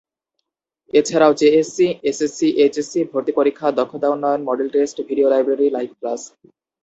এছাড়াও JSC, SSC, HSC, ভর্তি পরীক্ষা, দক্ষতা উন্নয়ন, model test, video library, live class.